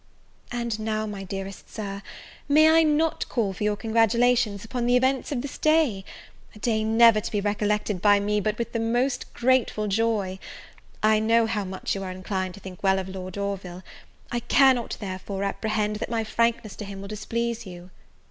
And now, my dearest Sir, may I not call for your congratulations upon the events of this day? a day never to be recollected by me but with the most grateful joy! I know how much you are inclined to think well of Lord Orville; I cannot, therefore, apprehend that my frankness to him will displease you.